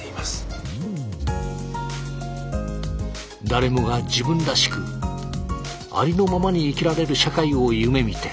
誰もが自分らしくありのままに生きられる社会を夢みて。